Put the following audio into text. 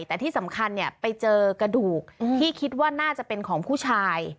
แต่ที่สำคัญไปเจอกระดูกที่คิดว่าน่าจะเป็นของผู้ชาย